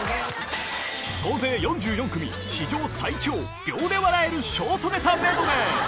総勢４４組、史上最長、秒で笑えるショートネタメドレー。